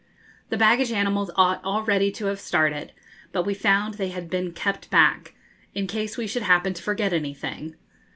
The baggage animals ought already to have started, but we found they had been kept back, in case we should happen to forget anything.